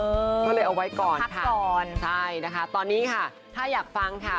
ก็เลยเอาไว้ก่อนค่ะใช่นะคะตอนนี้ค่ะถ้าอยากฟังค่ะ